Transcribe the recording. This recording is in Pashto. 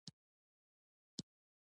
زموږ په قطار کې یوه نجلۍ او یو نارینه و.